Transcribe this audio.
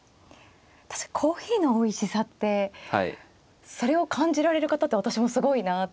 私コーヒーのおいしさってそれを感じられる方って私もすごいなあと。